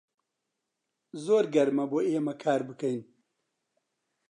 زۆر گەرمە بۆ ئێمە کار بکەین.